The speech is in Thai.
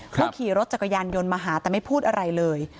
เขาขี่รถจักรยานยนต์มาหาแต่ไม่พูดอะไรเลย